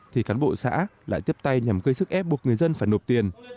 thì cán bộ xã lại tiếp tay nhằm gây sức ép buộc người dân phải nộp tiền